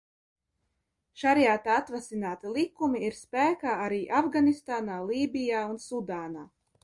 Šariata atvasināti likumi ir spēkā arī Afganistānā, Lībijā un Sudānā.